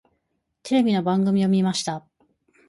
テレビの番組を見ました。